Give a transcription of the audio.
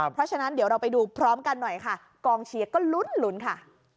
เพราะฉะนั้นเดี๋ยวเราไปดูพร้อมกันหน่อยค่ะกองเชียร์ก็ลุ้นค่ะ